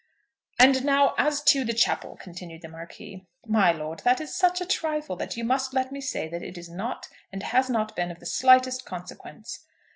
"And now as to the chapel," continued the Marquis. "My lord, that is such a trifle that you must let me say that it is not and has not been of the slightest consequence."